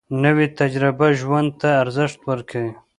نوې تجربه ژوند ته ارزښت ورکوي